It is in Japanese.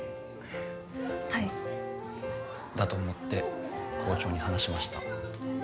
はいだと思って校長に話しました